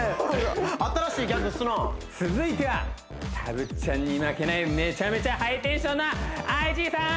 新しいギャグすな続いてはたぶっちゃんに負けないめちゃめちゃハイテンションなＩＧさーん